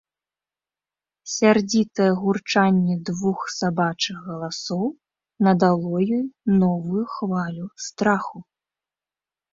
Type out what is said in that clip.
Сярдзітае гурчанне двух сабачых галасоў надало ёй новую хвалю страху.